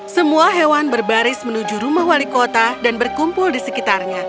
semua hewan berbaris menuju rumah wali kota dan berkumpul di sekitarnya